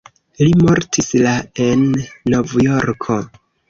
Li mortis la en Novjorko.